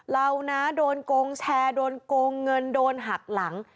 เรานะโดนโกงแชร์โดนโกงเงินโดนหักหลัง